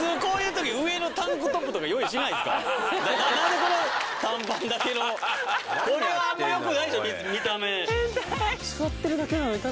何でこの短パンだけのこれはあんまりよくないでしょ見た目体がね